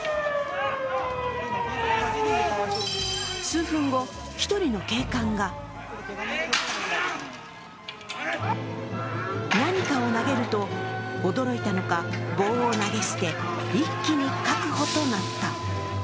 数分後、１人の警官が何かを投げると、驚いたのか棒を投げ捨て、一気に確保となった。